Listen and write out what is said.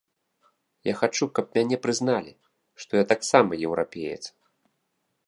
Я хачу, каб мяне прызналі, што я таксама еўрапеец.